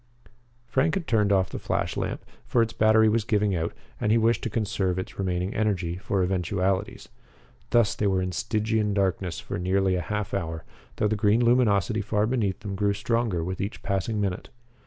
Frank had turned off the flashlamp, for its battery was giving out and he wished to conserve its remaining energy for eventualities. Thus they were in Stygian darkness for nearly a half hour, though the green luminosity far beneath them grew stronger with each passing minute.